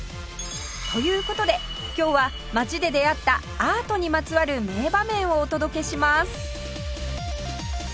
という事で今日は街で出会ったアートにまつわる名場面をお届けします